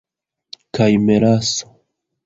Kaj melaso!